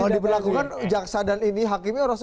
kalau diberlakukan jaksa dan ini hakimnya